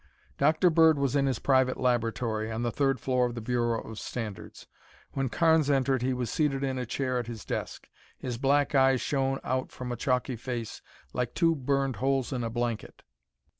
Dr. Bird was in his private laboratory on the third floor of the Bureau of Standards. When Carnes entered he was seated in a chair at his desk. His black eyes shone out from a chalky face like two burned holes in a blanket.